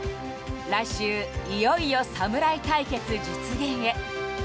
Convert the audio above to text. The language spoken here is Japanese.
来週、いよいよ侍対決実現へ。